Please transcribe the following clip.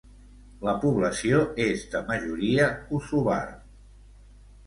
La població és de majoria kosovar.